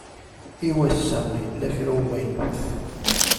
I wass-a yella kra n umaynut